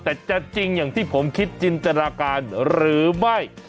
แต่จะจริงอย่างที่ผมคิดจินตนาการหรือไม่